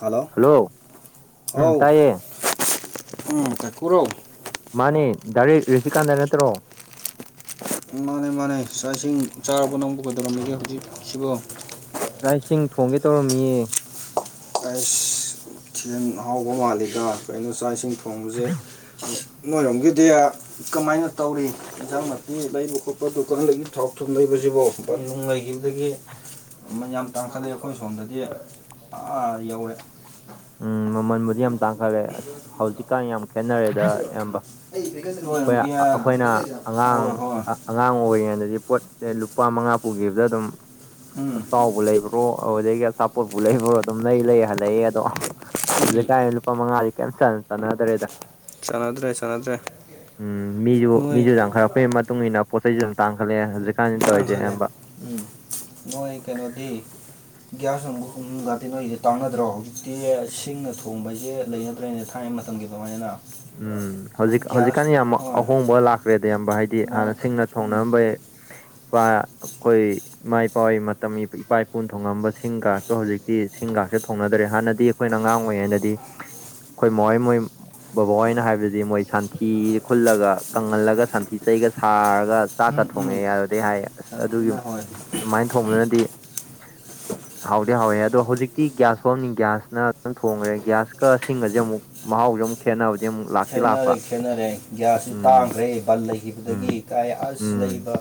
hello ꯎꯝ ꯍꯥꯎ ꯇꯥꯏꯌꯦ ꯎꯝ ꯀꯣꯔꯧ ꯃꯥꯅꯦ ꯗꯥ ꯔꯤꯁꯤꯀꯥꯟꯗ ꯅꯠꯇ꯭ꯔꯣ ꯃꯥꯅꯦ ꯃꯥꯅꯦ ꯆꯥꯛ ꯏꯁꯤꯡ ꯆꯥꯔꯕ ꯅꯪ ꯀꯩꯗꯧꯔꯝꯃꯤꯒꯦ ꯍꯧꯖꯤꯛꯁꯤꯕꯨ ꯆꯥꯛ ꯏꯁꯤꯡ ꯊꯣꯡꯒꯦ ꯇꯧꯔꯝꯃꯤꯌꯦ ꯑꯩꯁ ꯃꯊꯦꯟ ꯍꯥꯎꯕ ꯃꯥꯜꯂꯤꯒ ꯀꯩꯅꯣ ꯆꯥꯛ ꯏꯁꯤꯡ ꯊꯣꯡꯕꯁꯦ ꯅꯣꯏꯔꯣꯝꯒꯤꯗꯤ ꯀꯃꯥꯏꯅ ꯇꯧꯔꯤ ꯌꯦꯟꯁꯥꯡ ꯅꯥꯄꯤ ꯂꯩꯕ ꯈꯣꯠꯄ ꯗꯨꯀꯥꯟꯗꯒꯤ ꯊꯥꯎ ꯊꯨꯝ ꯂꯩꯕꯁꯤꯕꯨ ꯅꯨꯡ ꯂꯩꯈꯤꯕꯗꯒꯤ ꯌꯥꯝ ꯇꯥꯡꯈꯠꯂꯛꯑꯦ ꯑꯩꯈꯣꯏ ꯁꯣꯝꯗꯗꯤ ꯑꯥ ꯌꯧꯔꯦ ꯎꯝ ꯃꯃꯜꯕꯨꯗꯤ ꯌꯥꯝ ꯇꯥꯡꯈꯠꯂꯦ ꯑꯁ ꯍꯧꯖꯤꯛꯀꯥꯟ ꯌꯥꯝ ꯈꯦꯠꯅꯔꯦꯗ ꯑꯌꯥꯝꯕ ꯑꯩꯈꯣꯏ ꯅꯣꯏꯔꯣꯝꯒꯤ ꯑꯩꯈꯣꯏꯅ ꯑꯉꯥꯡ ꯍꯣꯏ ꯍꯣꯏ ꯑꯉꯥꯡ ꯑꯣꯏꯔꯤꯉꯩꯗꯗꯤ ꯄꯣꯠꯁꯦ ꯂꯨꯄꯥ ꯃꯉꯥ ꯄꯨꯈꯤꯕꯗ ꯑꯗꯨꯝ ꯎꯝ ꯑꯁꯇꯥꯎꯕ ꯂꯩꯕ ꯄ꯭ꯔꯣ ꯑꯗꯨꯗꯒꯤ ꯑꯆꯥꯄꯣꯠꯄꯨ ꯂꯩꯕ꯭ꯔꯣ ꯑꯗꯨꯝ ꯂꯩ ꯂꯩ ꯍꯜꯂꯛꯑꯦ ꯑꯗꯣ ꯑꯗꯨ ꯀꯥꯟ ꯂꯨꯄꯥ ꯃꯉꯥꯂꯤ ꯀꯩꯝ ꯆꯟꯅꯗ꯭ꯔꯦꯗ ꯆꯥꯟꯅꯗ꯭ꯔꯦ ꯆꯥꯟꯅꯗ꯭ꯔꯦ ꯎꯝ ꯃꯤꯁꯨ ꯅꯣꯏ ꯃꯤꯁꯨ ꯌꯥꯝꯈꯠꯂꯛ ꯄꯩ ꯃꯇꯨꯡ ꯃꯇꯨꯡ ꯏꯟꯅ ꯄꯣꯠ ꯆꯩꯁꯨ ꯑꯗꯨꯝ ꯇꯥꯡꯈꯠꯂꯛꯑꯦ ꯍꯧꯖꯤꯛ ꯇꯪꯍꯦ ꯎꯝ ꯃꯣꯏ ꯀꯩꯅꯣꯗꯤ ꯒ꯭ꯌꯥꯁ ꯑꯃꯨꯛ ꯍꯨꯝꯐꯨꯒꯇ ꯅꯣꯏꯁꯦ ꯇꯥꯟꯅꯗ꯭ꯔꯣ ꯍꯧꯖꯤꯛꯇꯤ ꯁꯤꯡꯅ ꯊꯣꯡꯕꯁꯦ ꯂꯩꯅꯗ꯭ꯔꯦꯅ ꯊꯥꯏꯅ ꯃꯇꯝꯒꯤ ꯑꯗꯨꯃꯥꯏꯅ ꯎꯝ ꯍꯧꯖꯤꯛ ꯒ꯭ꯌꯥꯁ ꯍꯧꯖꯤꯛꯀꯥꯟ ꯌꯥꯝ ꯍꯣꯏ ꯑꯍꯣꯡꯕ ꯂꯥꯛꯈ꯭ꯔꯦꯗ ꯑꯌꯥꯝꯕ ꯍꯥꯏꯗꯤ ꯍꯥꯟꯅ ꯂꯥꯛ ꯁꯤꯡꯅ ꯎꯝ ꯊꯣꯡꯅꯔꯝꯕ ꯋꯥ ꯀꯣꯏ ꯏꯃꯥ ꯏꯄꯥ ꯃꯇꯝ ꯏꯄꯥ ꯏꯄꯨꯅ ꯊꯣꯡꯉꯝꯕ ꯁꯤꯡꯒꯥꯛꯇꯣ ꯍꯧꯖꯤꯛꯇꯤ ꯁꯤꯡꯒꯥꯛꯇꯣ ꯊꯣꯡꯅꯗ꯭ꯔꯦ ꯍꯥꯟꯅꯗꯤ ꯑꯩꯈꯣꯏꯅ ꯑꯉꯥꯡ ꯑꯣꯏꯔꯤꯉꯩꯗꯗꯤ ꯑꯩꯈꯣꯏ ꯃꯥꯍꯣꯏ ꯃꯣꯏ ꯕꯕꯥꯍꯣꯏꯅ ꯍꯥꯏꯕꯗꯤ ꯃꯣꯏ ꯁꯟꯊꯤ ꯈꯨꯜꯂꯒ ꯀꯪꯍꯜꯂꯒ ꯁꯟꯊꯤ ꯆꯩꯒ ꯁꯥꯔꯒ ꯎꯝ ꯆꯥꯛꯀ ꯊꯣꯡꯉꯦ ꯎꯝ ꯌꯥꯔꯗꯤ ꯍꯥꯏ ꯌꯥꯝ ꯑꯁ ꯑꯗꯨꯒꯤ ꯊꯤꯅ ꯍꯣꯏ ꯑꯗꯨꯃꯥꯏꯅ ꯊꯣꯡꯕꯅꯗꯤ [unintelligible] ꯍꯥꯎꯗꯤ ꯍꯥꯎꯋꯦ ꯑꯗꯣ ꯍꯧꯖꯤꯛꯇꯤ ꯒ꯭ꯌꯥꯁ ꯐꯣꯝꯅꯤ ꯒ꯭ꯌꯥꯁꯅ ꯑꯗꯨꯝ ꯊꯣꯡꯈ꯭ꯔꯦ ꯒ꯭ꯌꯥꯁꯀ ꯁꯤꯡꯒꯁꯦ ꯑꯃꯨꯛ ꯃꯍ ꯍꯧꯖꯝ ꯈꯦꯟꯅꯔꯦ ꯈꯦꯠꯅꯔꯦ ꯈꯦꯠꯅꯔꯦ ꯒ꯭ꯌꯥꯁꯁꯨ ꯇꯥꯡꯈ꯭ꯔꯦ ꯕꯟ ꯎꯝ ꯂꯩꯈꯤꯕꯗꯒꯤ ꯀꯥꯏ ꯑꯁ ꯎꯝ ꯂꯩꯕ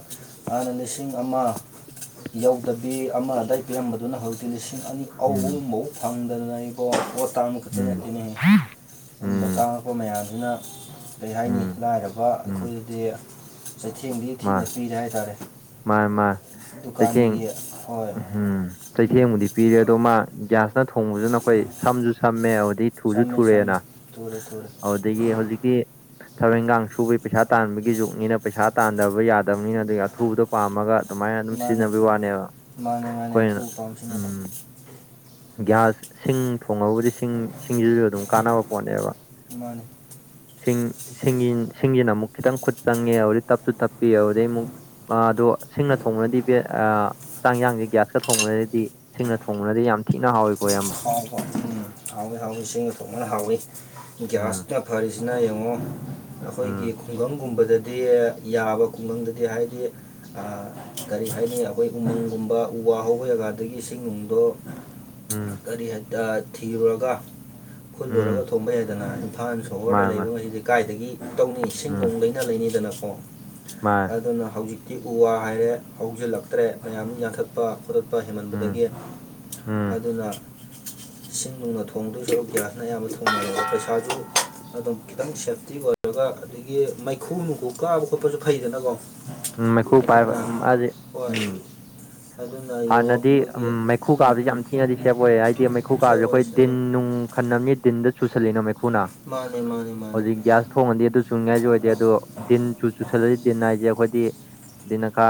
ꯍꯥꯏꯅ ꯂꯤꯁꯤꯡ ꯑꯃ ꯌꯧꯗꯕꯤ ꯑꯃꯗꯏ ꯄꯤꯔꯝꯕꯗꯨꯅ ꯍꯧꯖꯤꯛꯇꯤ ꯂꯤꯁꯤꯡ ꯑꯅꯤ ꯎꯝ ꯑꯒꯨꯝꯕꯐꯥꯎ ꯐꯪꯗꯗꯅ ꯑꯩꯀꯣ ꯄꯣꯠ ꯇꯥꯡ ꯈꯖꯅ ꯎꯝ ꯊꯤꯅꯤꯡꯉꯤ ꯑꯗꯨꯝꯕ ꯎꯝ ꯆꯪꯉꯛꯄ ꯃꯌꯥꯝꯁꯤꯅ ꯀꯔꯤ ꯍꯥꯏꯅꯤ ꯎꯝ ꯂꯥꯏꯔꯕ ꯎꯝ ꯑꯩꯈꯣꯏꯗꯗꯤ ꯆꯩꯊꯦꯡꯗꯤ ꯃꯥ ꯊꯤꯅ ꯄꯤꯔꯦ ꯍꯥꯏꯇꯥꯔꯦ ꯃꯥ ꯃꯥ ꯆꯩꯊꯦꯡ ꯍꯣꯏ ꯎꯝ ꯎꯝ ꯆꯩꯊꯦꯡꯕꯨꯗꯤ ꯄꯤꯔꯦ ꯑꯗꯣ ꯃꯥ ꯒ꯭ꯌꯥꯁ ꯅ ꯊꯣꯡꯕꯁꯤꯅ ꯑꯩꯈꯣꯏ ꯁꯝꯁꯨ ꯁꯝꯃꯦ ꯑꯗꯨꯗꯒꯤ ꯊꯨꯁꯨ ꯁꯝꯃꯦ ꯁꯝꯃꯦ ꯊꯨꯔꯦꯅ ꯊꯨꯔꯦ ꯊꯨꯔꯦ ꯑꯗꯨꯗꯒꯤ ꯍꯧꯖꯤꯛ ꯊꯕꯛ ꯏꯪꯈꯥꯡ ꯁꯨꯕ ꯄꯩꯁꯥ ꯇꯥꯟꯕꯒꯤ ꯖꯨꯛꯅꯤꯅ ꯄꯩꯁꯥ ꯇꯥꯟꯗꯕ ꯌꯥꯗꯕꯅꯤꯅ ꯑ ꯑꯊꯨꯕꯗ ꯄꯥꯝꯃꯒ ꯑꯗꯨꯃꯥꯏꯅ ꯑꯗꯨꯝ ꯃꯥꯅꯦ ꯁꯤꯖꯤꯟꯅꯕꯒꯤ ꯋꯥꯅꯦꯕ ꯃꯥꯅꯦ ꯃꯥꯅꯦ ꯑꯩꯈꯣꯏꯅ ꯑꯊꯨꯕ ꯄꯥꯝꯁꯤꯅꯕ ꯎꯝ ꯒ꯭ꯌꯥꯁ ꯁꯤꯡ ꯊꯣꯡꯉꯕꯨꯗꯤ ꯁꯤꯡ ꯁꯤꯡꯁꯤꯁꯨ ꯑꯗꯨꯝ ꯀꯥꯟꯅꯕ ꯄꯣꯠꯅꯦꯕ ꯃꯥꯅꯦ ꯁꯤꯡ ꯁꯤꯡ ꯁꯤꯡꯁꯤꯅ ꯑꯃꯨꯛ ꯈꯤꯇꯪ ꯈꯨꯠ ꯆꯪꯉꯦ ꯑꯗꯨꯩ ꯇꯞꯁꯨ ꯇꯞꯄꯤ ꯑꯗꯨꯗꯩ ꯑꯃꯨꯛ ꯑꯗꯣ ꯁꯤꯡꯅ ꯊꯣꯡꯕꯨꯔꯗꯤ ꯆꯥꯡ ꯌꯥꯡꯁꯦ ꯒ꯭ꯌꯥꯁꯀ ꯊꯣꯡꯕꯨꯔꯗꯤ ꯁꯤꯡꯅ ꯊꯣꯡꯕꯅꯗꯤ ꯌꯥꯝ ꯊꯤꯅ ꯍꯥꯎꯏꯀꯣꯌꯥꯝꯝꯕ ꯍꯥꯎꯋ ꯍꯥꯎꯋꯤ ꯏꯁꯤꯡꯒ ꯊꯣꯡꯅꯅ ꯍꯥꯎꯋ ꯎꯝ ꯒ꯭ꯌꯥꯁꯇ ꯐꯔꯤꯁꯤꯅ ꯌꯦꯡꯉꯣ ꯑꯩꯈꯣꯏꯒꯤ ꯎꯝ ꯈꯨꯡꯒꯪꯒꯨꯝꯕꯗꯗꯤ ꯌꯥꯕ ꯈꯨꯡꯒꯪꯗꯗꯤ ꯍꯥꯏꯗꯤ ꯀꯔꯤ ꯍꯥꯏꯅꯤ ꯑꯩꯈꯣꯏ ꯎꯃꯪꯒꯨꯝꯕ ꯎ ꯋꯥ ꯍꯧꯕ ꯖꯒꯥꯗꯒꯤ ꯏꯁꯤꯡ ꯅꯨꯡꯗꯣ ꯎꯝ ꯀꯔꯤ ꯍꯥꯢ ꯊꯤꯔꯨꯔꯒ ꯈꯨꯠ ꯎꯝ ꯂꯨꯔꯒ ꯊꯣꯡꯕ ꯌꯥꯏꯗꯅ ꯏꯝꯐꯥꯜ ꯁꯣꯍꯣꯔꯗ ꯃꯥꯅꯦ ꯂꯩꯕ ꯃꯥꯅꯦ ꯉꯩꯁꯤꯦ ꯀꯥꯏꯗꯒꯤ ꯇꯧꯅꯤ ꯏꯁꯤꯡ ꯎꯝ ꯅꯣꯡ ꯂꯩꯅꯥ ꯂꯩꯅꯤꯗꯅꯀꯣ ꯃꯥꯅꯦ ꯑꯗꯨꯅ ꯍꯧꯖꯤꯛꯇꯤ ꯎ ꯋꯥ ꯍꯥꯏꯔꯦ ꯍꯧꯖꯤꯜꯂꯛꯇ꯭ꯔꯦ ꯃꯌꯥꯝ ꯌꯥꯟꯊꯠꯄ ꯈꯔꯠꯄ ꯎꯝ ꯍꯦꯃꯟꯕꯗꯒꯤ ꯎꯝ ꯑꯗꯨꯅ ꯏꯁꯤꯡ ꯃꯨꯡꯅꯣ ꯊꯣꯡꯗꯣꯏꯁꯨ ꯌꯥꯔꯅꯕ ꯊꯣꯡꯉ ꯄꯩꯁꯥꯁꯨ ꯑꯗꯨꯝ ꯈꯤꯇꯪ ꯁꯦꯐꯇꯤ ꯑꯣꯏꯔꯒ ꯑꯗꯒꯤ ꯃꯩꯈꯨ ꯃꯨꯈꯨ ꯀꯥꯕ ꯈꯣꯠꯄꯁꯨ ꯐꯩꯗꯅꯀꯣ ꯎꯝ ꯃꯩꯈꯨ ꯄꯥꯏꯕ ꯑꯗꯨꯅ ꯃꯥꯁꯦ ꯍꯣꯏ ꯎꯝ ꯑꯗꯨꯅ ꯌꯦꯡꯉ ꯍꯥꯟꯅꯗꯤ ꯑꯃꯒꯤꯒꯤ ꯃꯩꯈꯨ ꯎꯝ ꯀꯥꯕꯁꯤ ꯎꯝ ꯌꯥꯝ ꯊꯤꯅꯗꯤ ꯁꯦꯞ ꯑꯣꯏꯔꯦ ꯍꯥꯏꯗꯤ ꯃꯩꯈꯨ ꯀꯥꯕꯁꯦ ꯁꯦꯝꯃꯣ ꯑꯩꯈꯣꯏ ꯁꯦꯝꯃꯣ ꯗꯤꯟ ꯅꯨꯡ ꯈꯟꯅꯕꯅꯤ ꯟꯗ ꯆꯨꯁꯜꯂꯤꯅ ꯃꯩꯈꯨꯅ ꯃꯥꯅꯦ ꯃꯥꯅꯦ ꯃꯥꯅꯦ ꯍꯧꯖꯤꯛ ꯒ꯭ꯌꯥꯁ ꯊꯣꯡꯉꯗꯤ ꯑꯗꯨ ꯆꯨꯅꯤꯡꯉꯥꯏꯁꯨ ꯑꯣꯏꯗꯦ ꯑꯗꯣ ꯗꯤꯟ ꯆꯨ ꯆꯨꯁꯜꯂꯗꯤ ꯗꯤꯟ ꯍꯥꯏꯁꯦ ꯑꯩꯈꯣꯏ ꯅ ꯈꯥ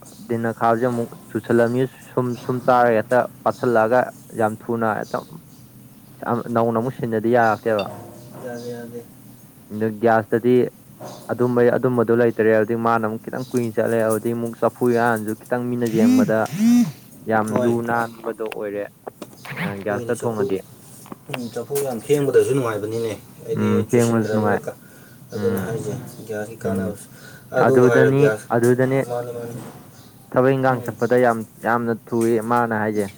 [inaudible] ꯈꯥꯥꯁꯦ ꯑꯃꯨꯛ ꯆꯨꯁꯜꯂꯝꯃꯤ ꯁꯨꯝ ꯁꯨꯝ ꯆꯥꯔꯒ ꯍꯦꯛꯇ ꯄꯥꯁꯤꯜꯂꯛꯑꯒ ꯌꯥꯝ ꯊꯨꯅ ꯅꯧꯅ ꯑꯃꯨꯛ ꯁꯤꯟꯅꯗꯤ ꯌꯥꯔꯛꯇꯦꯕ ꯌꯥꯗꯦ ꯌꯥꯗꯦ ꯑ ꯒ꯭ꯌꯥꯁꯇꯗꯤ ꯑꯗꯨꯝꯕꯩ ꯑꯗꯨꯝꯕꯗꯨꯣ ꯂꯩꯇ꯭ꯔꯦ ꯑꯗꯒꯤ ꯃꯥꯅꯨꯛ ꯈꯤꯇꯪ ꯀꯨꯏꯅ ꯆꯠꯂꯦꯖꯤꯗꯤ ꯑꯃꯨꯛ ꯆꯐꯨ ꯍꯥꯟꯁꯨ ꯈꯤꯇꯪ ꯃꯤꯅ ꯌꯦꯡꯕꯗ ꯗ ꯌꯥꯝ ꯍꯣꯏ ꯂꯨ ꯅꯥꯟꯕꯗꯣ ꯑꯣꯏꯔꯦ ꯑꯣꯏꯅ ꯆꯐꯨ ꯎꯝ ꯆꯐꯨ ꯌꯥꯝ ꯊꯦꯡꯕꯗꯁꯨ ꯅꯨꯡꯉꯥꯏꯕꯅꯤꯅꯦ ꯑꯩꯗꯤ ꯎꯝ ꯐꯦꯡꯕꯁꯨ ꯆꯨꯁꯤꯟꯗ꯭ꯔꯅꯤꯅ ꯅꯨꯡꯉꯥꯏ ꯑꯗꯨꯅ ꯎꯝ ꯍꯥꯏꯁꯦ ꯌꯥꯔꯤ ꯎꯝ ꯀꯥꯟꯅꯕꯁꯤ ꯑꯗꯨ ꯍꯥꯏꯔꯛꯀꯦ ꯑꯗꯨꯗꯅꯤ ꯑꯗꯨꯗꯅꯦ ꯃꯥꯅꯤ ꯃꯥꯅꯤ ꯊꯕꯛ ꯏꯟꯈꯥꯡ ꯎꯝ ꯆꯠꯄꯗ ꯌꯥꯝ ꯌꯥꯝꯅ ꯊꯨꯏ ꯃꯥꯅ ꯍꯥꯏꯁꯦ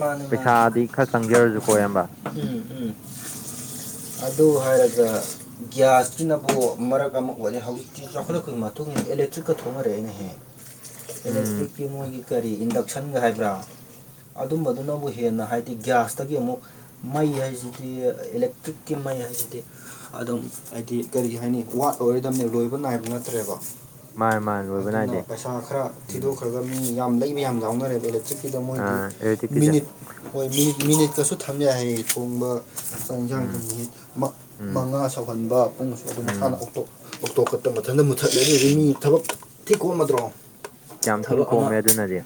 ꯃꯥꯅꯦ ꯃꯥꯅꯦ ꯄꯩꯁꯥꯗꯤ ꯈꯔ ꯆꯪꯖꯔꯁꯨ ꯀꯣ ꯏꯌꯥꯝꯕ ꯎꯝ ꯎꯝ ꯑꯗꯨ ꯍꯥꯏꯔꯒ ꯒ꯭ꯌꯥꯁꯀꯤꯅꯐ ꯃꯔꯛ ꯑꯃ ꯑꯣꯏꯂꯦ ꯍꯧꯖꯤꯛꯇꯤ ꯆꯥꯎꯈꯠꯂꯛꯄꯒꯤ ꯃꯇꯨꯡ ꯏ ꯑꯦꯂꯦꯛꯇ꯭ꯔꯤꯛꯀ ꯊꯣꯛꯣꯡꯅꯔꯦ ꯑꯩꯅ ꯍꯦꯛ ꯎꯝ ꯑꯦꯂꯦꯛꯇ꯭ꯔꯤꯛꯀꯤ ꯃꯣꯏꯒꯤ ꯀꯔꯤ ꯏꯟꯗꯛꯁꯟꯒ ꯍꯥꯏꯕ꯭ꯔꯥ ꯑꯗꯨꯝꯕꯗꯨꯅ ꯑꯃꯨꯛ ꯍꯦꯟꯅ ꯍꯥꯏꯗꯤ ꯒ꯭ꯌꯥꯁꯇꯒꯤ ꯑꯃꯨꯛ ꯃꯩ ꯍꯥꯏꯁꯤꯗꯤ ꯏꯂꯦꯛꯇ꯭ꯔꯤꯛꯀꯤ ꯃꯩ ꯍꯥꯏꯁꯤꯗꯤ ꯑꯗꯨꯝ ꯍꯥꯏꯗꯤ ꯀꯔꯤ ꯍꯥꯏꯅꯤ ꯋꯥꯠꯂꯔꯣꯏꯗꯝꯕꯅꯤ ꯂꯣꯏꯕ ꯅꯥꯏꯕ ꯅꯠꯇ꯭ꯔꯦꯕ ꯃꯥꯅꯦ ꯃꯥꯅꯦ ꯂꯣꯏꯕ ꯑꯗꯨꯅ ꯅꯥꯏꯗꯦ ꯄꯩꯁꯥ ꯈꯔ ꯎꯝ ꯊꯤꯗꯣꯛꯈ꯭ꯔꯒꯅꯤ ꯃꯤ ꯌꯥꯝ ꯂꯩꯩ ꯃꯌꯥꯝ ꯌꯥꯎꯅꯔꯦꯕ ꯑꯦꯂꯦꯛꯇ꯭ꯔꯤꯛꯀꯤꯗ ꯃꯣꯏꯗꯤ ꯑꯥ ꯑꯦꯔꯣꯇꯤꯛꯀꯤꯁꯦ ꯃꯤꯅꯤꯠ ꯍꯣꯏ ꯃꯤꯅꯤꯠ ꯃꯤꯅꯤꯠꯀꯁꯨ ꯊꯝꯖꯏ ꯍꯥꯏꯌꯦ ꯊꯣꯡꯕ ꯍꯛꯆꯥꯡ ꯏꯟꯁꯥꯡꯒꯤ ꯎꯝ ꯃꯤꯅꯤꯠ ꯎꯝ ꯃꯉꯥ ꯁꯧꯍꯟꯕ ꯄꯨꯡꯁꯨ ꯑꯗꯨꯝ ꯃꯁꯥꯅ ꯎꯝ ꯑꯣꯊꯣꯛꯀꯠ ꯃꯊꯟꯇ ꯃꯨꯊꯠꯂ ꯑꯗꯨꯗꯤ ꯃꯤ ꯎꯝ ꯊꯕꯛ ꯊꯤ ꯀꯣꯝꯃꯗ꯭ꯔꯣ ꯌꯥꯝ ꯊꯤꯅ ꯊꯕꯛ ꯀꯣꯝꯃꯦ ꯑꯃ ꯑꯗꯨꯅꯗꯤ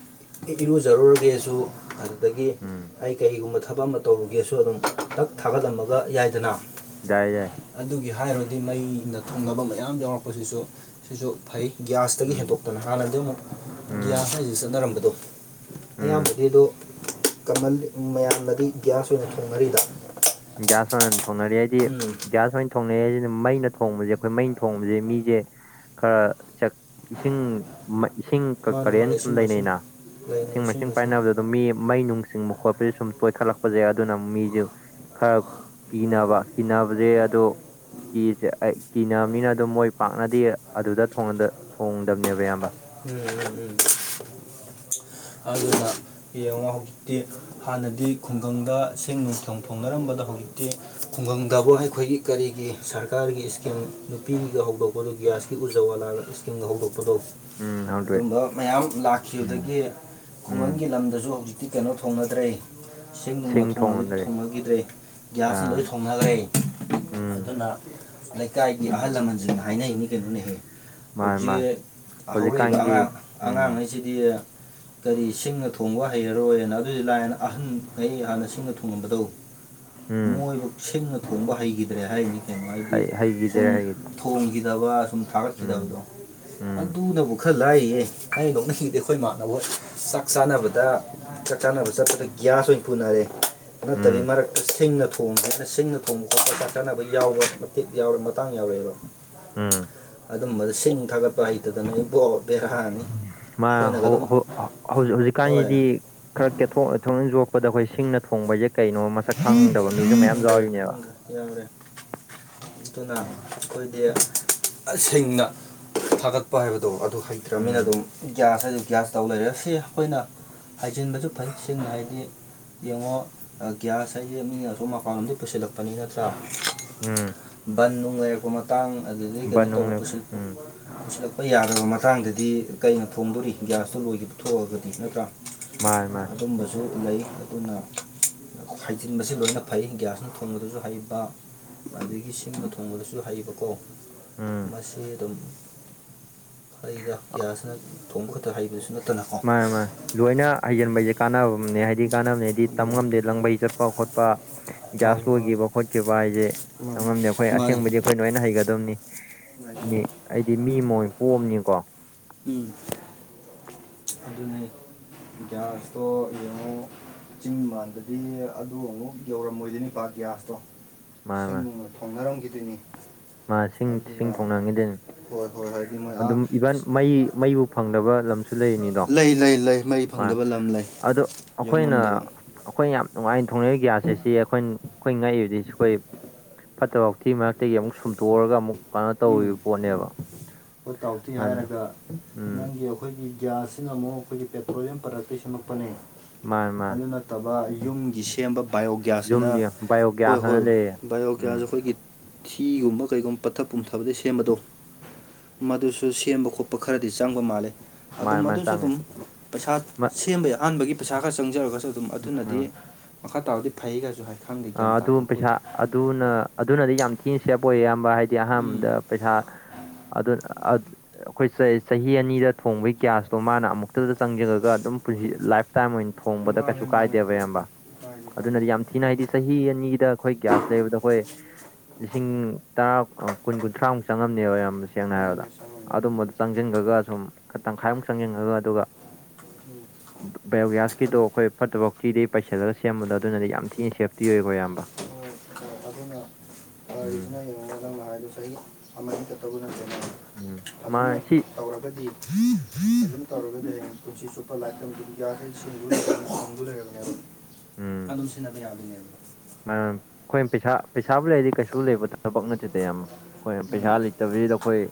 ꯑꯩ ꯏꯔꯨꯖꯔꯨꯔꯒꯦꯁꯨ ꯑꯗꯨꯗꯒꯤ ꯎꯝ ꯑꯩ ꯀꯩꯒꯨꯝꯕ ꯊꯕꯛ ꯑꯃ ꯇꯧꯔꯒꯦꯁꯨ ꯑꯗꯨꯝ ꯅꯛ ꯊꯥꯒꯠꯂꯝꯃꯒ ꯌꯥꯏꯗꯅ ꯌꯥꯏ ꯌꯥꯦ ꯑꯗꯨꯒꯤ ꯍꯥꯏꯔꯨꯔꯗꯤ ꯃꯩꯅ ꯊꯨꯡꯅꯕ ꯃꯌꯥꯝ ꯌꯥꯎꯔꯛꯄꯁꯤꯁꯨ ꯁꯤꯁꯨ ꯐꯩ ꯒ꯭ꯌꯥꯁꯇꯒꯤ ꯎꯝ ꯍꯦꯟꯗꯣꯛꯇꯅ ꯍꯥꯟꯅꯗꯤ ꯑꯃꯨꯛ ꯎꯝ ꯒꯤꯒ꯭ꯌꯥꯁ ꯍꯥꯏꯁꯤ ꯆꯠꯅꯔꯝꯕꯗꯣ ꯎꯝ ꯑꯌꯥꯝꯕꯒꯤꯗꯣ ꯀꯃꯜ ꯃꯌꯥꯝꯅꯗꯤ ꯒ꯭ꯌꯥꯁ ꯑꯣꯏꯅ ꯊꯣꯡꯅꯔꯤꯕ ꯭ꯌꯥꯁ ꯑꯣꯏꯅ ꯊꯣꯡꯅꯔꯤ ꯍꯥꯏꯗꯤ ꯎꯝ ꯭ꯌꯥꯁ ꯑꯣꯏꯅ ꯊꯣꯡꯅꯩ ꯍꯥꯏꯁꯤꯅ ꯃꯩꯅ ꯊꯣꯡꯕꯁꯦ ꯑꯩꯈꯣꯏ ꯃꯩꯅ ꯊꯣꯡꯕꯁꯦ ꯃꯤꯁꯦ ꯈꯔ ꯏꯁꯤꯡ ꯏꯁꯤꯡ ꯃꯥꯅ ꯀꯔꯦꯟ ꯃꯥꯅ ꯁꯨꯝ ꯏꯁꯤꯡ ꯃꯥꯏꯁꯤꯡ ꯂꯩꯅꯩꯅ ꯏꯁꯤꯡ ꯃꯥꯏꯁꯤꯡ ꯄꯥꯏꯅꯕꯗ ꯑꯗꯨꯝ ꯃꯤ ꯃꯩ ꯅꯨꯡ ꯆꯤꯡꯕ ꯈꯣꯠꯄꯁꯦ ꯁꯨꯝ ꯇꯣꯏꯈꯠꯂꯛꯄꯁꯩ ꯑꯗꯨꯅ ꯃꯤꯁꯦ ꯈꯔ ꯀꯤꯅꯕ ꯀꯤꯅꯕꯁꯦ ꯑꯗꯣ ꯀꯤꯁꯦ ꯑꯩ ꯀꯤꯅꯕꯅꯤꯅ ꯑꯗꯨꯝ ꯃꯣꯏ ꯄꯥꯛꯅꯗꯤ ꯑꯗꯨꯗ ꯊꯣꯡꯗꯕꯅꯦꯕ ꯏꯌꯥꯝꯕ ꯎꯝ ꯎꯝ ꯎꯝ ꯑꯗꯨꯅ ꯌꯦꯡꯉꯣ ꯍꯧꯖꯤꯛꯇꯤ ꯍꯥꯟꯅꯗꯤ ꯈꯨꯡꯒꯪꯗ ꯁꯦꯡ ꯅꯨꯡꯊꯣꯡ ꯐꯣꯡꯅꯔꯝꯕꯗ ꯍꯧꯖꯤꯛꯇꯤ ꯈꯨꯡꯒꯪꯗꯕꯨ ꯑꯩꯈꯣꯏꯒꯤ ꯀꯔꯤꯒꯤ ꯁꯔꯀꯥꯔꯒꯤ ꯏꯁꯀꯤꯝ ꯅꯨꯄꯤꯒ ꯍꯧꯗꯣꯛꯄꯗꯣ ꯒ꯭ꯌꯥꯁꯀꯤ ꯎꯖ ꯋꯥꯂꯥ ꯏꯁꯀꯤꯝꯒ ꯍꯧꯗꯣꯛꯄꯗꯣ ꯎꯝ ꯍꯥꯡꯗꯣꯛꯑꯦ ꯑꯗꯨꯝꯕ ꯃꯌꯥꯝ ꯎꯝ ꯂꯥꯛꯈꯤꯕꯈꯤꯕꯗꯒꯤ ꯎꯝ ꯈꯨꯡꯒꯪꯒꯤ ꯂꯝꯗꯁꯨ ꯍꯧꯖꯤꯛ ꯇꯤ ꯀꯩꯅꯣ ꯊꯣꯡꯅꯗ꯭ꯔꯦ ꯏꯁꯤꯡꯦꯡ ꯅꯨꯡꯅ ꯁꯤꯡ ꯊꯣꯡꯉꯅꯕꯗꯤ ꯊꯣꯡꯅꯗ꯭ꯔꯦ ꯊꯣꯡꯅꯈꯤꯗ꯭ꯔꯦ ꯒ꯭ꯌꯥꯁ ꯑꯃ ꯑꯥ ꯂꯣꯏ ꯊꯣꯡꯅꯈ꯭ꯔꯦ ꯎꯝ ꯑꯗꯨꯅ ꯂꯩꯀꯥꯏꯒꯤ ꯑꯍꯜ ꯂꯃꯟꯁꯤꯡꯅ ꯍꯥꯏꯅꯩ ꯀꯩꯅꯣꯅꯦꯍꯦ ꯃꯥꯅꯦ ꯃꯥꯅꯦ ꯍꯧꯖꯤꯛ ꯍꯧꯔꯛꯏꯕ ꯍꯧꯖꯤꯛꯀꯥꯟꯒꯤ ꯑꯉꯥꯡ ꯎꯝ ꯑꯉꯥꯡꯉꯩꯁꯤꯗꯤ ꯀꯔꯤ ꯁꯤꯡꯅ ꯊꯣꯡꯕ ꯍꯩꯔꯔꯣꯏꯅ ꯑꯗꯨꯗꯤ ꯂꯥꯏ ꯑꯍꯟꯈꯩ ꯍꯥꯟꯅ ꯁꯤꯡꯅ ꯊꯣꯡꯉꯝꯕꯗꯧ ꯎꯝ ꯃꯣꯏꯕꯨ ꯁꯤꯡꯅ ꯊꯣꯡꯕ ꯍꯩꯈꯤꯗ꯭ꯔꯦ ꯍꯥꯏꯔꯤꯅꯤ ꯀꯩꯅꯩꯅꯣ ꯍꯥꯏꯗꯤ ꯁꯨꯝ ꯍꯩꯈꯤꯗ꯭ꯔꯦ ꯍꯩꯈꯤꯗ꯭ꯔꯦ ꯊꯣꯡꯈꯤꯗꯕ ꯁꯨꯝ ꯎꯝ ꯊꯥꯒꯠꯈꯤꯗꯕꯗꯣ ꯎꯝ ꯑꯗꯨꯅꯕꯨ ꯈꯔ ꯂꯥꯏꯌꯦ ꯑ ꯅꯣꯛꯅꯤꯡꯉꯗꯗꯤ ꯑꯩꯈꯣꯏ ꯏ ꯃꯥꯅꯕ ꯍ ꯆꯥꯛ ꯆꯥꯅꯕꯗ ꯆꯥꯛ ꯆꯥꯅꯕ ꯆꯠꯄꯗ ꯒ꯭ꯌꯥꯁ ꯑꯣꯏꯅ ꯄꯨꯅꯔꯦ ꯅꯠꯇꯕꯤ ꯎꯝ ꯃꯔꯛꯇ ꯁꯤꯡꯅ ꯊꯣꯡ ꯍꯦꯅ ꯁꯤꯡꯅ ꯊꯣꯡꯕ ꯈꯣꯠꯄ ꯀꯊꯠꯅꯕ ꯌꯥꯎꯕ ꯃꯇꯦꯛ ꯌꯥꯎꯔꯦ ꯃꯇꯥꯡ ꯌꯥꯎꯔꯑꯦꯕ ꯎꯝ ꯑꯗꯨꯝꯕꯗ ꯁꯤꯡ ꯊꯥꯒꯠꯄ ꯍꯩꯇꯗꯅ ꯕꯣꯠ ꯃꯥ ꯍꯧꯖꯤꯛ ꯍꯣꯏ ꯍꯧꯖꯤꯛꯀꯥꯟꯁꯤꯗꯤ ꯈꯔꯊ ꯊꯣꯛ ꯌꯣꯛꯄꯗ ꯑꯩꯈꯣꯏ ꯁꯤꯡꯅ ꯊꯣꯡꯕ ꯍꯥꯏꯁꯦ ꯀꯩꯅꯣ ꯃꯁꯛ ꯈꯪꯗꯕ ꯃꯤꯁꯨ ꯃꯌꯥꯝ ꯌꯥꯎꯔꯤꯅꯦꯕ ꯌꯥꯝꯔꯦ ꯑꯗꯨꯅ ꯑꯩꯈꯣꯏꯗꯤ ꯦꯡꯅ ꯊꯥꯒꯠꯄ ꯍꯥꯏꯕꯗꯣ ꯑꯗꯨ ꯍꯩꯇ꯭ꯔꯕꯅꯤꯅ ꯎꯝ ꯑꯗꯨꯝ ꯒ꯭ꯌꯥꯁ ꯍꯥꯏ ꯒ꯭ꯌꯥꯁ ꯇꯧ ꯂꯩꯔꯦ ꯑꯁꯤ ꯑꯩꯈꯣꯏꯅ ꯍꯥꯏꯖꯤꯟꯕꯁꯨ ꯐꯩ ꯁꯦꯡꯅ ꯍꯥꯏꯗꯤ ꯌꯦꯡꯉꯣ ꯑ, ꯒ꯭ꯌꯥꯁ ꯍꯥꯏꯁ ꯃꯤ ꯑꯁꯣꯝ ꯃꯄꯥꯟ ꯑꯝꯗꯒꯤ ꯄꯨꯁꯤꯜꯂꯛꯄꯅꯤ ꯅꯠꯇ꯭ꯔꯥ ꯎꯝ ꯕꯟ ꯅꯨꯡ ꯂꯩꯔꯛꯄ ꯃꯇꯥꯡ ꯑꯗꯨꯗꯒꯤ ꯀꯩꯅꯣ ꯕꯅꯨꯡ ꯇꯧꯕ ꯂꯦꯞ ꯄꯨꯁꯤꯜꯄꯨ ꯎꯝ ꯂꯛꯄ ꯌꯥꯗ꯭ꯔꯕ ꯃꯇꯥꯡꯗꯗꯤ ꯀꯩꯅ ꯐꯣꯡꯗꯣꯔꯤ ꯒ꯭ꯌꯥꯁꯇꯣ ꯂꯣꯏꯈꯤꯕ ꯊꯣꯛꯑꯒꯗꯤ ꯅꯠꯇ꯭ꯔꯥ ꯃꯥꯅꯦ ꯃꯥꯅꯦ ꯑꯗꯨꯝꯕꯁꯨ ꯂꯩ ꯑꯗꯨꯅ ꯍꯥꯏꯖꯤꯟꯕꯁꯤ ꯂꯣꯏꯅ ꯐꯩ ꯒ꯭ꯌꯥꯁꯅ ꯊꯣꯡꯕꯗꯁꯨ ꯍꯩꯕ ꯑꯗꯨꯗꯒꯤ ꯁꯤꯡꯕ ꯊꯣꯡꯕꯗꯁꯨ ꯍꯩꯕꯀꯣ ꯎꯝ ꯃꯁꯤ ꯑꯗꯨꯝ ꯑꯩꯗ ꯒ꯭ꯌꯥꯁꯅ ꯊꯣꯡꯕ ꯈꯛꯇ ꯍꯩꯕꯁꯨꯦ ꯃꯥꯅꯦ ꯃꯥꯅꯦ ꯂꯣꯏꯅ ꯍꯩꯖꯤꯟꯕꯩꯁꯦ ꯀꯥꯟꯅꯕꯅꯦ ꯍꯥꯏꯗꯤ ꯀꯥꯟꯅꯕꯅꯦ ꯍꯥꯏꯗꯤ ꯇꯝ ꯉꯝꯗꯦ ꯂꯪꯕꯩ ꯆꯠꯄ ꯈꯣꯠꯄ ꯒ꯭ꯌꯥꯁ ꯃꯥꯅꯤ ꯃꯥꯅꯤ ꯂꯣꯏꯈꯤꯕ ꯈꯣꯠꯈꯤꯕ ꯃꯥꯅꯤ ꯍꯥꯏꯁꯦꯪꯉꯝꯗꯦ ꯑꯩꯈꯣꯏ ꯑꯁꯦꯡꯕꯗꯤ ꯑꯩꯈꯣꯏ ꯅꯣꯏꯅ ꯍꯩꯒꯗꯕꯅꯤ ꯎ [unintelligible] ꯑꯩꯗꯤ ꯃꯤ ꯃꯣꯏ ꯄꯣꯝꯅꯤꯀꯣ ꯎꯝ ꯑꯗꯨꯅꯤ ꯒ꯭ꯌꯥꯁꯇꯣ ꯌꯦꯡꯉꯣ ꯆꯤꯡ ꯃꯥꯟꯗꯗꯤ ꯑꯗꯨ ꯑꯃꯨꯛ ꯌꯧꯔꯝꯃꯣꯏꯗꯣꯏꯅꯤꯄꯥ ꯒ꯭ꯌꯥꯁꯇꯣ ꯃꯥ ꯃꯥ ꯁꯤꯡꯅ ꯊꯣꯡꯅꯔꯝꯈꯤꯗꯣꯏꯅꯤ ꯃꯥ ꯏꯁꯤꯡ ꯏꯁꯤꯡ ꯑꯗꯨꯅ ꯊꯣꯡꯅꯈꯤꯗꯅꯤ ꯍꯣꯏ ꯍꯣꯏ ꯍꯥꯏꯗꯤ ꯃꯣꯏ ꯑꯥ ꯑꯗꯨꯝ ꯏꯚꯟ ꯃꯩ ꯃꯩꯕꯨ ꯐꯪꯗꯕ ꯂꯝꯁꯨ ꯂꯩꯔꯤꯅꯤꯗꯣ ꯂꯩ ꯂꯩ ꯂꯩ ꯃꯩ ꯍꯣꯏ ꯐꯪꯗꯕ ꯂꯝ ꯂꯩ ꯑꯗꯣ ꯌꯧ ꯑꯩꯈꯣꯏꯅ ꯉꯝꯗꯕ ꯑꯩꯈꯣꯏꯅ ꯌꯥꯝ ꯅꯨꯡꯉꯥꯏꯅ ꯊꯣꯡꯅꯏ ꯒ꯭ꯌꯥꯁ ꯑꯁꯤ ꯑꯩꯈꯣꯏ ꯑꯩꯈꯣꯏ ꯉꯛꯏꯕꯗꯒꯤꯁꯨ ꯑꯩꯈꯣꯏ ꯐꯠꯇꯕ ꯍꯥꯎꯊꯤ ꯃꯔꯛꯇꯒꯤ ꯑꯃꯨꯛ ꯁꯨꯝꯇꯣꯛꯑꯒ ꯑꯃꯨꯛ ꯀꯩꯅꯣ ꯎꯝ ꯇꯧꯔꯤꯕ ꯄꯣꯠꯅꯦꯕ ꯍꯣ ꯇꯥꯎꯊꯤ ꯑꯗꯨꯅ ꯍꯥꯏꯔꯒ ꯎꯝ ꯅꯪꯒꯤ ꯑꯩꯈꯣꯏꯒꯤ ꯒ꯭ꯌꯥꯁꯁꯤꯅ ꯑꯃꯨꯛ ꯑꯩꯈꯣꯏꯒꯤ ꯄꯦꯇ꯭ꯔꯣꯂꯤꯌꯝ ꯄ꯭ꯔꯗꯛꯇ ꯁꯦꯝꯃꯛꯄꯅꯦ ꯃꯥꯅꯤ ꯃꯥꯅꯤ ꯑꯗꯨꯅ ꯐꯠꯇꯕ ꯌꯨꯝꯒꯤ ꯁꯦꯝꯕ ꯕꯥꯏꯑꯣꯣꯒ꯭ꯌꯥꯁꯁꯤꯅ ꯌꯨꯝꯗꯤ ꯍꯣꯏ ꯕꯥꯏꯑꯣꯒ꯭ꯌꯥꯁ ꯑꯅ ꯍꯣꯏ ꯂꯩꯌꯦ ꯎꯝ ꯕꯥꯏꯌꯣꯒ꯭ꯌꯥꯁꯁꯦ ꯑꯩꯈꯣꯏꯒꯤ ꯊꯤꯒꯨꯝꯕ ꯀꯩꯒꯨꯝꯕ ꯄꯠꯊꯛ ꯄꯨꯝꯊꯕꯗꯤ ꯁꯦꯝꯕꯗꯣ ꯃꯗꯨꯁꯨ ꯁꯦꯝꯕ ꯈꯣꯠꯄ ꯈꯔꯗꯤ ꯆꯪꯕ ꯃꯥꯜꯂꯦ ꯃꯥꯅꯤ ꯑꯗꯨꯝ ꯃꯥꯅꯤ ꯑꯗꯨꯁꯨ ꯆꯪꯉꯦ ꯑꯗꯨꯝ ꯄꯩꯁꯥ ꯃꯥ ꯁꯦꯝꯕ ꯌꯥ ꯑꯍꯥꯟꯕꯒꯤ ꯄꯩꯁꯥ ꯈꯔ ꯆꯪꯖꯔꯒꯁꯨ ꯑꯗꯨꯝ ꯑꯗꯨꯅꯗꯤ ꯃꯈꯥ ꯇꯥꯔꯗꯤ ꯐꯩꯒꯁꯨ ꯍꯥꯏ ꯈꯪꯗꯦ ꯑ ꯒ꯭ꯌꯥꯟ ꯇꯥꯗꯦ ꯑꯗꯨ ꯑꯩꯈꯣꯏ ꯄꯩꯁꯥ ꯑꯗꯨꯅ ꯑꯗꯨꯅꯗꯤ ꯌꯥꯝ ꯊꯤꯅ ꯁꯦꯕ ꯑꯣꯏ ꯑꯌꯥꯝꯕ ꯍꯥꯏꯗꯤ ꯎꯝ ꯑꯍꯥꯟꯕꯗ ꯄꯩꯁꯥ ꯑꯗꯨ ꯑꯩꯈꯣꯏ ꯆꯍꯤ ꯑꯅꯤꯗ ꯊꯣꯡꯕꯒꯤ ꯒ꯭ꯌꯥꯁꯇꯣ ꯃꯥꯅ ꯑꯃꯨꯛꯇꯗ ꯆꯪꯁꯤꯉꯒ ꯑꯗꯨꯝ ꯄꯨꯟꯁꯤ ꯂꯥꯏꯐ ꯇꯥꯏ꯭ꯝ ꯑꯣꯏꯅ ꯊꯣꯡꯕꯗ ꯀꯩꯁꯨ ꯀꯥꯏꯗꯦꯕ ꯑꯌꯥꯝꯕ ꯑꯗꯨꯅꯗꯤ ꯌꯥꯝ ꯊꯤꯅ ꯍꯥꯏꯗꯤ ꯆꯍꯤ ꯑꯅꯤꯗ ꯑꯩꯈꯣꯏ ꯒ꯭ꯌꯥꯁ ꯂꯩꯕꯗ ꯑꯩꯈꯣꯏ ꯂꯤꯁꯤꯡ ꯇꯔꯥ ꯀꯨꯟ ꯀꯨꯟꯊ꯭ꯔꯥꯃꯨꯛ ꯆꯪꯉꯝꯅꯦꯕ ꯌꯥꯝ ꯁꯦꯡꯅ ꯍꯥꯏꯔꯕꯗ ꯑꯗꯨꯅ ꯑꯗꯨꯝ ꯆꯪꯁꯤꯟꯈꯒ ꯁꯨꯝ ꯈ ꯇꯪꯈꯥꯏꯃꯨꯛ ꯆꯪꯁꯤꯟꯉꯒ ꯑꯗꯨꯒ ꯕꯥꯏꯑꯣꯒ꯭ꯌꯥꯁꯀꯤꯗꯣ ꯑꯩꯈꯣꯏ ꯐꯠꯇꯕ ꯐꯥꯎꯇꯤꯗꯩ ꯄꯩꯁꯗꯔ ꯁꯦꯝꯕꯗꯣ ꯑꯗꯨꯅꯗꯤ ꯌꯥꯝ ꯊꯤꯅ ꯁꯦꯝꯞꯈꯤ ꯇꯤ ꯑꯣꯏꯌꯦꯀꯣ ꯑꯌꯥꯝꯕ ꯣꯏ ꯑ ꯑꯗꯨꯅ [inaudible] ꯎꯝ ꯋꯥꯔꯤꯔꯤꯁꯤꯅ ꯌꯦꯡꯉꯉꯗꯪꯅ ꯍꯥꯏꯗꯨ ꯆꯍꯤ ꯑꯃ ꯀ ꯇꯧꯕ ꯅꯗꯦꯅ ꯎꯝ ꯐꯖꯅ ꯃꯥ ꯁꯤ ꯇꯧꯔꯒꯗꯤ ꯑꯗꯨꯝ ꯇꯧꯔꯒꯗꯤ ꯍꯌꯦꯡ ꯄꯨꯟꯁꯤ ꯆꯨꯞꯄ ꯂꯥꯏꯔꯤꯛꯇꯗꯨ ꯌꯥꯈꯩꯁꯤꯡ ꯂꯩꯔꯒ ꯑꯗꯨꯝ ꯁꯤꯖꯤꯟꯅꯕ ꯌꯥꯗꯣꯏꯅꯦ ꯑꯗꯨ ꯑꯩꯈꯣꯏ ꯄꯩꯁꯥ ꯄꯩꯁꯥꯕꯨ ꯂꯩꯔꯗꯤ ꯀꯩꯁꯨ ꯂꯩꯕ ꯊꯕꯛ ꯅꯠꯇꯗꯦꯌꯥꯝꯕ ꯑꯩꯈꯣꯏ ꯄꯩꯁꯥ ꯂꯩꯇꯕꯁꯤꯗ ꯑꯩꯈꯣꯏ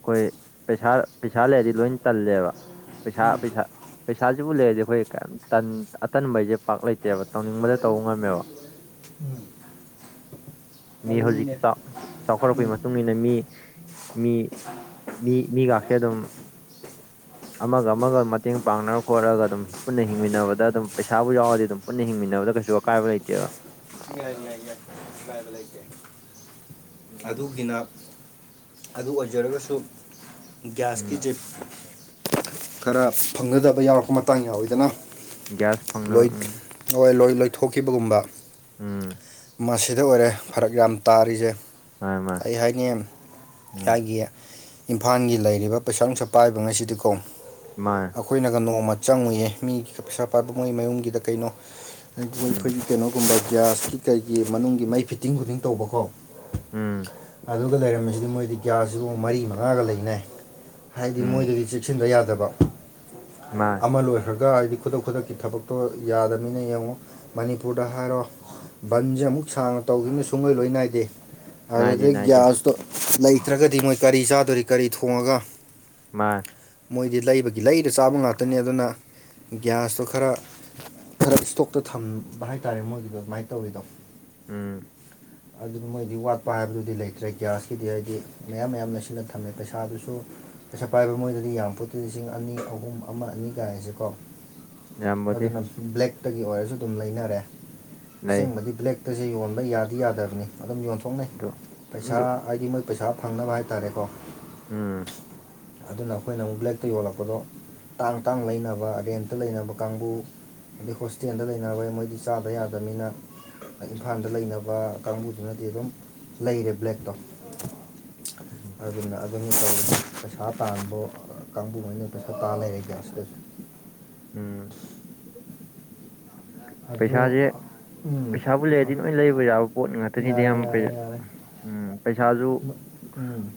ꯑꯩꯈꯣꯏ ꯄꯩꯁꯥ ꯄꯩꯁꯥ ꯂꯩꯔꯗꯤ ꯂꯣꯏ ꯇꯜꯂꯦꯕ ꯄꯩꯁꯥ ꯄꯩꯁꯥ ꯄꯩꯁꯥꯁꯤꯕꯨ ꯂꯩꯔꯗꯤ ꯑꯩꯈꯣꯏ ꯇꯟ ꯑꯇꯟꯕꯩꯁꯦ ꯄꯥꯛ ꯂꯩꯇꯦꯕ ꯇꯧꯅꯤꯡꯕꯗ ꯇꯧꯕ ꯉꯝꯃꯦꯕ ꯎꯝ [inaudible] ꯃꯤ ꯑꯗꯨꯅꯤꯅꯦ ꯍꯧꯖꯤꯛꯇꯤ ꯆꯥꯎꯈꯠꯂꯛꯄꯒꯤ ꯃꯇꯨꯡ ꯃꯇꯨꯡꯏꯟꯅ ꯃꯤ ꯃꯤ ꯃꯤ ꯃꯤꯒꯥꯛꯁꯦ ꯑꯗꯨꯝ ꯑꯃꯒ ꯑꯃꯒ ꯃꯇꯦꯡ ꯄꯥꯡꯅꯔ ꯈꯣꯠꯂꯒ ꯑꯗꯨꯝ ꯄꯨꯟꯅ ꯍꯤꯡꯃꯤꯟꯅꯕꯗ ꯑꯗꯨꯝ ꯄꯩꯁꯥꯕꯨ ꯌꯥꯎꯔꯗꯤ ꯑꯗꯨꯝ ꯄꯨꯟꯅ ꯍꯤꯡꯃꯤꯟꯅꯕꯗ ꯀꯩꯁꯨ ꯑꯀꯥꯏꯕ ꯂꯩꯇꯦꯕ ꯍꯥꯏꯕ ꯂꯩ ꯉꯥꯏꯕ ꯂꯩꯇꯦ ꯑꯗꯨꯒꯤꯅ ꯑꯗꯨ ꯑꯣꯏꯖꯔꯒꯁꯨ ꯎꯝ ꯒ꯭ꯌꯥꯁꯀꯤꯁꯦ ꯈꯔ ꯐꯪꯒꯗꯕ ꯌꯥꯎꯔꯛꯄ ꯃꯇꯥꯡ ꯌꯥꯎꯋꯤꯗꯅ ꯀ꯭ꯔꯤꯁ ꯐꯪꯅ ꯎꯝ ꯍꯣꯏ ꯂꯣꯏ ꯂꯣꯏꯊꯣꯛꯈꯤꯕꯒꯨꯝꯕ ꯎꯝ ꯃꯁꯤꯗ ꯑꯣꯏꯔꯦ ꯐꯔꯛ ꯌꯥꯝ ꯇꯥꯔꯤꯁꯦ ꯃꯥꯅꯦ ꯃꯥꯅꯦ ꯀꯔꯤ ꯍꯥꯢꯅꯤ ꯎꯝ ꯂꯩꯒꯥꯢꯒꯤ ꯏꯝꯐꯥꯜꯒꯤ ꯂꯩꯔꯤꯕ ꯄꯩꯁꯥ ꯅꯨꯡꯁꯥ ꯄꯥꯏꯕ ꯉꯁꯤꯗꯤ ꯀꯣ ꯃꯥ ꯑꯩꯈꯣꯏꯅꯒ ꯅꯣꯡꯃ ꯆꯪꯉꯨꯏꯌꯦ ꯃꯤꯒꯤꯒ ꯄꯩꯁꯥ ꯄꯥꯕ ꯉꯣꯏ ꯃꯌꯨꯝꯒꯤꯗ ꯀꯩꯅꯣ ꯑꯗꯨꯒ ꯎꯝ ꯑꯩꯈꯣꯏ ꯀꯩꯅꯣꯒꯨꯝꯕ ꯒ꯭ꯌꯥꯁꯀꯤ ꯀꯩꯒꯤ ꯃꯅꯨꯡꯒꯤ ꯃꯩ ꯐꯤꯠꯇꯤꯡ ꯈꯨꯨꯗꯤꯡ ꯇꯧꯕꯀꯣ ꯎꯝ ꯑꯗꯨꯒ ꯂꯩꯔꯝꯃꯤꯁꯤꯗꯤ ꯃꯣꯏꯗꯤ ꯒ꯭ꯌꯥꯁꯁꯨ ꯃꯔꯤ ꯃꯉꯥꯒ ꯂꯩꯅꯩ ꯍꯥꯏꯗꯤ ꯎꯝ ꯃꯣꯏꯗꯒꯤ ꯏꯤꯁꯤꯟꯗ ꯌꯥꯗꯕ ꯃꯥꯅꯦ ꯑꯃ ꯂꯣꯏꯈ꯭ꯔꯒ ꯍꯥꯏꯗꯤ ꯈꯨꯗꯛ ꯈꯨꯗꯛꯀꯤ ꯊꯕꯛꯇꯣ ꯌꯥꯗꯅꯤꯅ ꯌꯦꯡꯉꯣ ꯃꯅꯤꯄꯨꯔꯗ ꯍꯥꯏꯔꯣ ꯕꯟꯁꯦ ꯑꯃꯨꯛ ꯁꯥꯡꯅ ꯇꯧꯈꯤꯕꯅ ꯁꯨꯡꯂꯣꯏ ꯂꯣꯏ ꯅꯥꯏꯗꯦ ꯅꯥꯏꯗꯦ ꯑꯗꯨꯗꯒꯤꯩ ꯅꯥꯏꯗꯦ ꯒ꯭ꯌꯥꯁꯇꯣ ꯂꯩꯇ꯭ꯔꯒꯗꯤ ꯃꯣꯏ ꯀꯔꯤ ꯆꯥꯗꯣꯔꯤ ꯀꯔꯤ ꯊꯣꯡꯉꯒ ꯃꯥ ꯃꯣꯏꯗꯤ ꯂꯩꯕꯒꯤ ꯂꯩꯗ ꯆꯥꯕ ꯉꯥꯛꯇꯅꯤ ꯑꯗꯨꯅ ꯒ꯭ꯌꯥꯁꯇꯣ ꯈꯔ ꯈꯔ ꯏꯁꯇꯣꯛꯇ ꯊꯝꯕ ꯍꯥꯏꯇꯥꯔꯦ ꯃꯣꯏꯒꯤꯗꯣ ꯑꯗꯨꯃꯥꯏꯅ ꯇꯧꯔꯤꯗꯣ ꯎꯝ ꯑꯗꯨꯅ ꯃꯣꯏꯗꯤ ꯋꯥꯠꯄ ꯍꯥꯏꯕꯗꯨꯗꯤ ꯂꯩꯇ꯭ꯔꯦ ꯒ꯭ꯌꯥꯁꯀꯤꯗꯤ ꯍꯥꯏꯗꯤ ꯃꯌꯥꯝ ꯃꯌꯥꯝꯅ ꯁꯤꯅ ꯊꯝꯃꯦ ꯄꯩꯁꯥꯗꯨꯁꯨ ꯄꯩꯁꯥ ꯄꯥꯏꯕ ꯃꯣꯏꯗꯗꯤ ꯌꯥꯝ ꯐꯣꯠꯇꯤ ꯂꯤꯁꯤꯡ ꯑꯅꯤ ꯑꯍꯨꯝ ꯑꯃ ꯑꯅꯤ ꯀꯥꯏꯔꯁꯦꯀꯣ ꯌꯥꯝꯕꯨꯗꯤ ꯑꯗꯨꯅ ꯕ꯭ꯂꯦꯛꯇꯒꯤ ꯑꯣꯏꯔꯁꯨ ꯑꯗꯨꯝ ꯂꯩꯅꯔꯦ ꯂꯩ ꯑꯁꯦꯡꯕꯗꯤ ꯕ꯭ꯂꯦꯛꯇꯁꯦ ꯌꯣꯟꯕ ꯌꯥꯗꯤ ꯌꯥꯗꯕꯅꯤ ꯑꯗꯨꯝ ꯌꯣꯟꯊꯣꯛꯅꯩ ꯑꯗꯨ ꯄꯩꯁꯥ ꯑꯗꯨ ꯑꯩꯗꯤ ꯃꯣꯏ ꯄꯩꯁꯥ ꯐꯪꯅꯕ ꯍꯥꯏꯇꯥꯔꯦꯀꯣ ꯎꯝ ꯑꯗꯨꯅ ꯑꯩꯈꯣꯏꯅ ꯑꯃꯨꯛ ꯕ꯭ꯂꯦꯛꯇ ꯌꯣꯜꯂꯛꯄꯗꯣ ꯇꯥꯡ ꯇꯥꯡ ꯂꯩꯅꯕ ꯔꯦꯟꯇ ꯂꯩꯅꯕ ꯀꯥꯡꯕꯨ ꯑꯗꯩ ꯍꯣꯁꯇꯦꯜꯗ ꯂꯩꯅꯕꯩ ꯃꯣꯏꯗꯤ ꯆꯥꯗ ꯌꯥꯗꯕꯅꯤꯅ ꯏꯝꯐꯥꯜꯗ ꯂꯩꯅꯕ ꯀꯥꯡꯕꯨꯗꯨꯅꯗꯤ ꯑꯗꯨꯝ ꯂꯩꯔꯦ ꯕ꯭ꯂꯦꯛꯇꯣ ꯎꯝ ꯑꯗꯨꯅ ꯑꯗꯨꯅ ꯇꯧꯋ ꯄꯩꯁꯥ ꯇꯥꯟꯕ ꯀꯥꯡꯕꯨꯉꯩꯅ ꯄꯩꯁꯥ ꯇꯥ ꯂꯩꯔꯦꯒ꯭ꯌꯥꯁꯗ ꯎꯝ ꯑꯗꯣ ꯄꯩꯁꯥꯁꯦ ꯄꯩꯁꯥꯕꯨ ꯂꯩꯔꯗꯤ ꯅꯣꯏ ꯂꯩꯕ ꯌꯥꯕ ꯄꯣꯠ ꯉꯥꯛꯇꯅꯤꯗꯤ ꯌꯥꯔꯦ ꯌꯥꯝ ꯌꯥꯔꯦ ꯌꯥꯔꯦ ꯎꯝ ꯄꯩꯁꯥꯁꯨ ꯎꯝ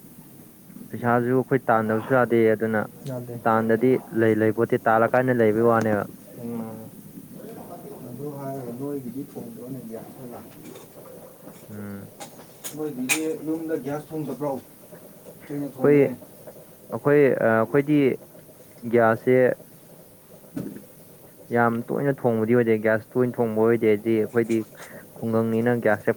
ꯄꯩꯁꯥꯁꯨ ꯑꯩꯈꯣꯏ ꯇꯥꯟꯗꯕꯁꯨ ꯌꯥꯗꯦ ꯑꯗꯨꯅ ꯌꯥꯗꯦ ꯇꯥꯟꯗꯗꯤ ꯂꯩ ꯂꯩ ꯄꯣꯠꯇꯤ ꯇꯥꯜꯂ ꯀꯥꯏꯅ ꯂꯩꯕꯒꯤ ꯋꯥꯅꯦꯕ ꯑ ꯑꯗꯨ ꯍꯥꯏꯔꯒ ꯅꯣꯏꯒꯤꯗꯤ ꯊꯣꯡꯗꯅꯦꯗꯤ ꯍꯥꯏ ꯎꯝ ꯅꯣꯏꯗꯤ ꯌꯨꯝꯗ ꯒ꯭ꯌꯥꯁ ꯊꯣꯡꯗꯕ꯭ꯔꯣ ꯀꯩꯅ ꯑꯩꯈꯣꯏ ꯊꯣꯡꯒꯦ ꯑꯩꯈꯣꯏ ꯑꯩꯈꯣꯏꯗꯤ ꯒ꯭ꯌꯥꯁꯁꯦ ꯌꯥꯝ ꯇꯣꯏꯅ ꯊꯣꯡꯕꯗꯤ ꯑꯣꯏꯗꯦ ꯒ꯭ꯌꯥꯁ ꯇꯣꯏꯅ ꯊꯣꯡꯕ ꯑꯣꯏꯗꯦꯗꯤ ꯑꯩꯈꯣꯏꯗꯤ ꯈꯨꯡꯒꯪꯅꯤꯅ ꯒ꯭ꯌꯥꯁꯁꯦ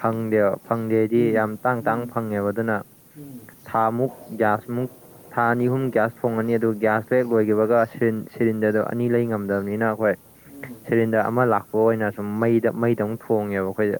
ꯐꯪꯗꯦꯕ ꯐꯪꯗꯦꯗꯤ ꯎꯝ ꯌꯥꯝ ꯇꯥꯡ ꯇꯥꯡ ꯎꯝ ꯐꯪꯉꯦꯕ ꯑꯗꯨꯅ ꯎꯝ ꯊꯥꯃꯨꯛ ꯒ꯭ꯌꯥꯁꯃꯨꯛ ꯊꯥ ꯑꯅꯤ ꯑꯍꯨꯝ ꯒ꯭ꯌꯥꯁ ꯊꯣꯡꯉꯅꯤ ꯑꯗꯨ ꯒ꯭ꯌꯥꯁꯇꯣ ꯍꯦꯛ ꯂꯣꯏꯈꯤꯕꯒ ꯁꯤꯂꯤꯟꯗꯔꯗꯣ ꯑꯅꯤ ꯂꯩ ꯉꯝꯗꯕꯅꯤꯅ ꯑꯩꯈꯣꯏ ꯎꯝ ꯁꯤꯂꯤꯟꯗꯔ ꯑꯃ ꯂꯥꯛꯄ ꯑꯣꯏꯅ ꯁꯨꯝ ꯃꯩꯗ ꯃꯩꯗ ꯑꯃꯨꯛ ꯊꯣꯡꯉꯦꯕ ꯑꯩꯈꯣꯏꯗ